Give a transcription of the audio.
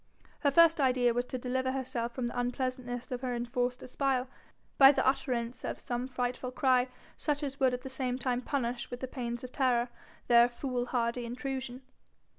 Her first idea was to deliver herself from the unpleasantness of her enforced espial by the utterance of some frightful cry such as would at the same time punish with the pains of terror their fool hardy intrusion.